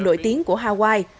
nổi tiếng của hawaii